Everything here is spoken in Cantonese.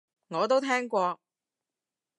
我都聽過